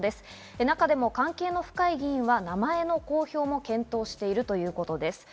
関係の深い議員の名前の公表を検討しているということです。